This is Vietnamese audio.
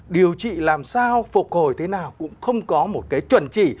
điều trị làm sao phục hồi thế nào cũng không có một cái chuẩn chỉ